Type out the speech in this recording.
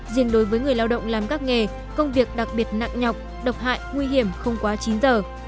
riêng đối với người lao động làm các nghề công việc đặc biệt nặng nhọc độc hại nguy hiểm không quá chín giờ